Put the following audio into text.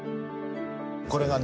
これがね